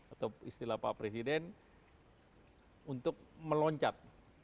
atau istilah pak presiden untuk meloncat